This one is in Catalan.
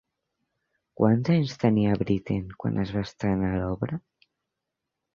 Quants anys tenia Britten quan es va estrenar l'obra?